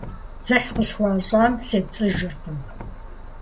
Дзыхь къысхуащӀам сепцӀыжыркъым.